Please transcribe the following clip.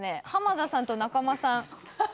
田さんと中間さん